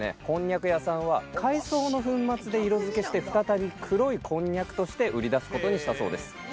こんにゃく屋さんは海藻の粉末で色付けして再び黒いこんにゃくとして売り出すことにしたそうです。